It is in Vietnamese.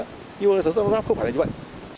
nhưng sản xuất và lắp ráp không phải là như vậy